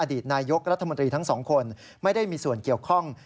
ตนายกรัฐมนตรีทั้งสองคนไม่ได้มีส่วนเกี่ยวข้อง